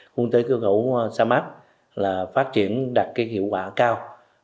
khu kinh tế cửa khẩu sa mát là phát triển đạt cái hiệu quả cao